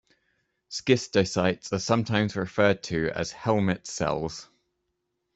Schistocytes are sometimes referred to as "helmet cells".